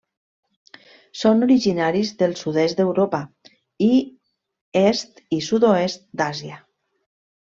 Són originaris del sud-est d'Europa i est i sud-oest d'Àsia.